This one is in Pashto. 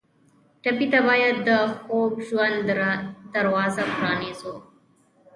ټپي ته باید د خوږ ژوند دروازه پرانیزو.